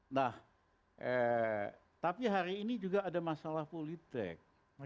nah tapi hari ini juga ada masalah politik